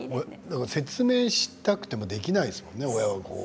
説明したくてもできないですものね、親は。